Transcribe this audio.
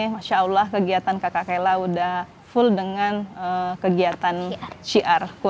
masya allah kegiatan kakak kayla sudah full dengan kegiatan ini ya kak